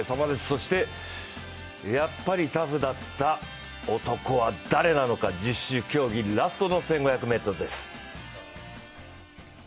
そして、やっぱりタフだった男は誰なのか十種競技、ラストの１５００ｍです。